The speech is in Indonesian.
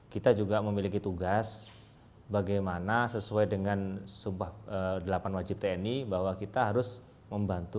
kita juga memiliki tugas bagaimana sesuai dengan sumpah delapan wajib tni bahwa kita harus membantu